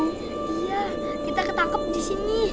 iya kita ketangkep di sini